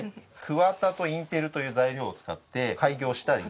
クワタとインテルという材料を使って改行したり。